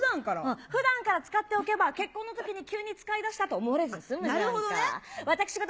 ふだんから使っておけば、結婚のときに急に使いだしたと思われずに済むじゃんか。